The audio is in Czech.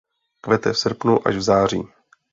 Kvete v srpnu až v září.